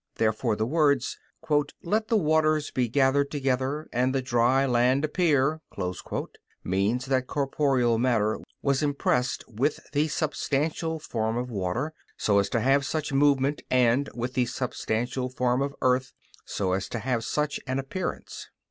Therefore the words, "Let the waters be gathered together, and the dry land appear," mean that corporeal matter was impressed with the substantial form of water, so as to have such movement, and with the substantial form of earth, so as to have such an appearance.